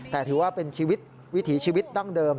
แต่ถือว่าเป็นชีวิตวิถีชีวิตดั้งเดิม